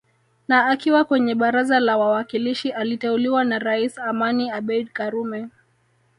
Na akiwa kwenye baraza la wawakilishi aliteuliwa na Rais Amani Abeid karume